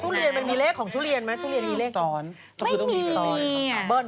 ทุเรียนมันมีเลขของทุเรียนมั้ยทุเรียนมีเลขตอน